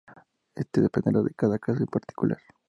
Esto dependerá de cada caso en particular.